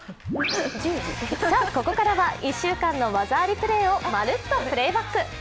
ここからは１週間の技ありプレーを「まるっと！Ｐｌａｙｂａｃｋ」